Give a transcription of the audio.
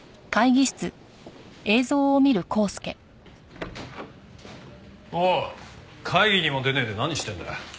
会議にも出ねえで何してんだよ。